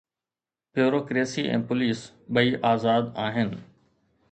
Bureaucracy ۽ police ٻئي آزاد آهن.